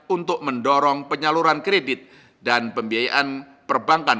untuk mendorong penyaluran kredit dan pembiayaan perbankan